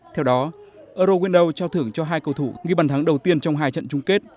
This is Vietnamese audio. theo đó eurowindow trao thưởng cho hai cầu thủ như bàn thắng đầu tiên trong hai trận chung kết